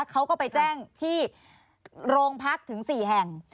เขาก็ไปแจ้งที่โรงพักถึง๔แห่ง